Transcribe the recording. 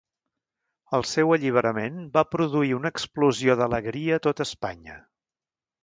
El seu alliberament va produir una explosió d'alegria a tota Espanya.